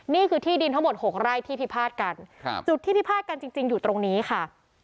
นี่คือที่ดินทั้งหมด๖ไร่ที่พิพาทกันครับจุดที่พิพาทกันจริงอยู่ตรงนี้ค่ะ